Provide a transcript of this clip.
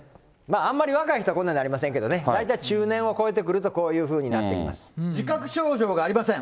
あんまり若い人はこうはなりませんけれどもね、大体中年を越えてくるとこういうふうになってきま自覚症状がありません。